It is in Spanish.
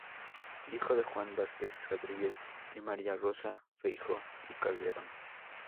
Hijo de Juan Vázquez Rodríguez y María Rosa Feijoo y Calderón.